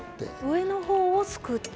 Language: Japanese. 上のほうをすくって。